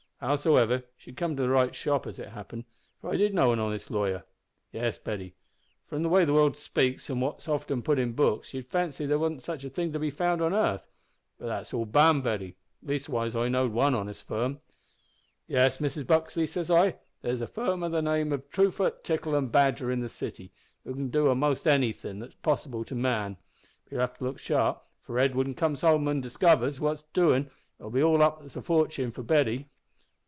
Howsever, she'd come to the right shop, as it happened, for I did know a honest lawyer! Yes, Betty, from the way the world speaks, an' what's often putt in books, you'd fancy there warn't such'n a thing to be found on 'arth. But that's all bam, Betty. Leastwise I know'd one honest firm. `Yes, Mrs Buxley,' says I, `there's a firm o' the name o' Truefoot, Tickle, and Badger in the City, who can do a'most anything that's possible to man. But you'll have to look sharp, for if Edwin comes home an' diskivers what's doin', it's all up with the fortin an' Betty.'